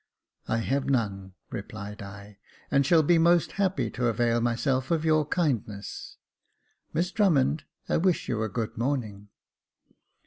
" I have none," replied I ;and shall be most happy to avail myself of your kindness. Miss Drummond, I wish you a good morning."